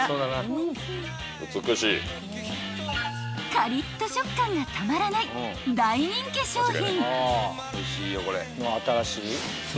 ［カリッと食感がたまらない大人気商品］